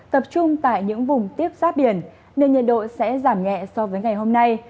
tập trung tại những vùng tiếp sát biển nên nhiệt độ sẽ giảm nhẹ so với ngày hôm nay